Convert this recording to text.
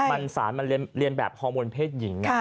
มันสารมันเรียนแบบฮอร์โมนเพศหญิง